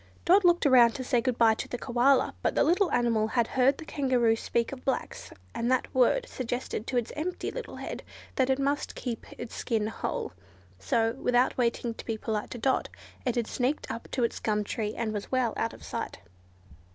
Dot looked round to say good bye to the Koala, but the little animal had heard the Kangaroo speak of blacks, and that word suggested to its empty little head that it must keep its skin whole, so, without waiting to be polite to Dot, it had sneaked up its gum tree and was well out of sight.